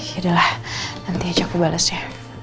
yaudahlah nanti aja aku bales ya